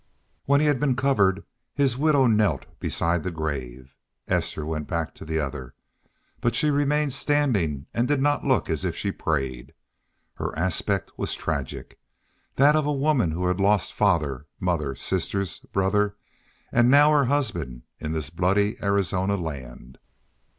When he had been covered his widow knelt beside his grave. Esther went back to the other. But she remained standing and did not look as if she prayed. Her aspect was tragic that of a woman who had lost father, mother, sisters, brother, and now her husband, in this bloody Arizona land.